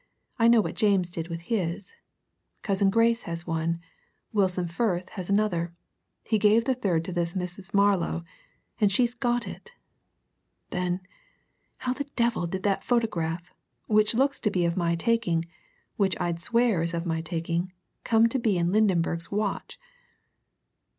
I know what James did with his. Cousin Grace has one; Wilson Firth has another; he gave the third to this Mrs. Marlow and she's got it! Then how the devil did that photograph, which looks to be of my taking, which I'd swear is of my taking, come to be in Lydenberg's watch?